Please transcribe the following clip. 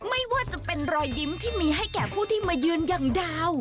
ไม่ว่าจะเป็นรอยยิ้มที่มีให้แก่ผู้ที่มายืนอย่างดาว